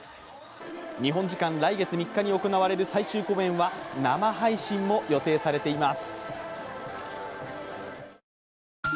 日本時間来月３日に行われる最終公演は生配信も予定されています。